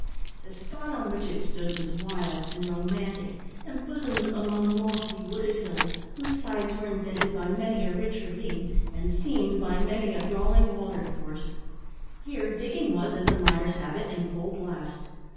The spot on which it stood was wild and romantic, embosomed among lofty wooded hills, whose sides were indented by many a rich ravine, and seamed by many a brawling water course. Here digging was, as the miners have it, in full blast.